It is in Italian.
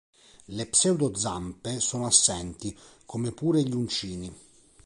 Le pseudozampe sono assenti, come pure gli uncini.